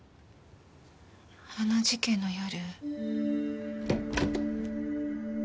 あの事件の夜。